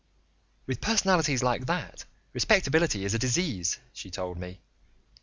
"With personalities like that, respectability is a disease," she told me.